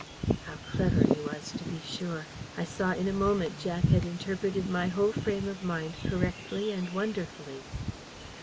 How clever he was, to be sure! I saw in a moment Jack had interpreted my whole frame of mind correctly and wonderfully.